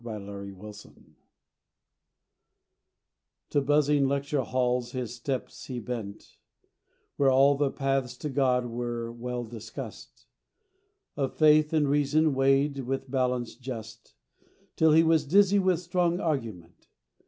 XXXII THE PATH TO buzzing lecture halls his steps he bent, Where all the paths to God were well discussed, Or faith and reason weighed with balance just, Till he was dizzy with strong argument.